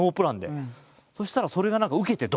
そしたらそれが何か受けてドカンって。